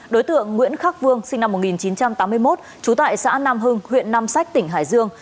đối tượng nguyễn khắc vương sinh năm một nghìn chín trăm tám mươi một trú tại xã nam hưng huyện nam sách tỉnh hải dương